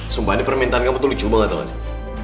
sumpah ini permintaan kamu lucu banget participar aja